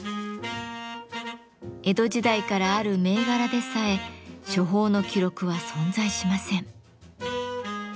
江戸時代からある銘柄でさえ処方の記録は存在しません。